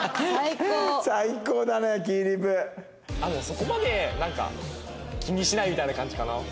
そこまでなんか気にしないみたいな感じかな。